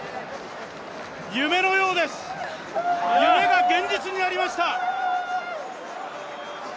夢のようです、夢が現実になりました。